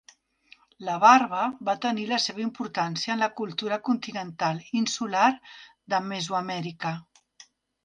La barba va tenir la seva importància en la cultura continental insular de Mesoamèrica.